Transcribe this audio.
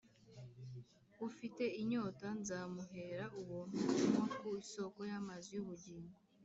Ufite inyota nzamuhera ubuntu kunywa ku isoko y’amazi y’ubugingo.